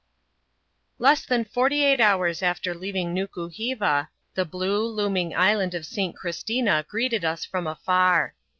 Less than forty eight hours after leaving Nukuheva, the blue, looming island of St. Christina greeted us from afar.